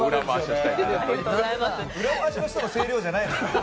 裏回しの人の声量じゃないね。